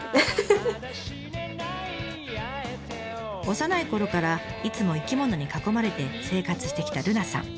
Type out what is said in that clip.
幼いころからいつも生き物に囲まれて生活してきた瑠奈さん。